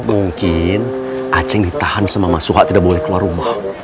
mungkin aceh yang ditahan sama mas suha tidak boleh keluar rumah